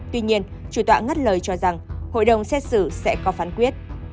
tuy nhiên chủ tọa ngắt lời cho rằng hội đồng xét xử sẽ có phán quyết